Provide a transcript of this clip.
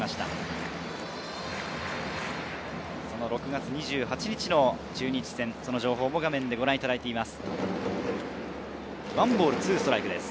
６月２８日の中日戦、その情報を画面でご覧いただいています。